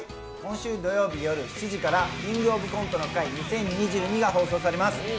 今週土曜日夜７時から「キングオブコントの会２０２２」が放送されます。